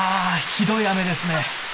ひどい雨ですね。